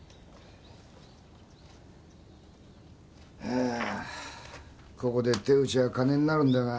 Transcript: はあここで手ぇ打ちゃ金になるんだが。